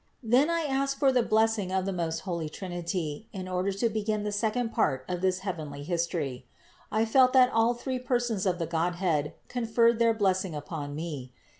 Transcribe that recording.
Then I asked for the blessing of the most holy Trinity in order to begin the second part of this heavenly history. I felt that all three persons of the Godhead conferred their blessing upon me.